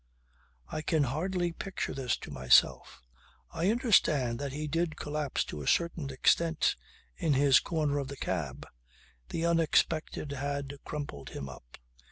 I can hardly picture this to myself. I understand that he did collapse to a certain extent in his corner of the cab. The unexpected had crumpled him up.